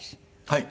はい。